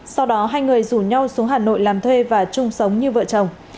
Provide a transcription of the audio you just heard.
sau đó hai người rủ nhau xuống hà nội làm thuê và chung sống như vợ chồng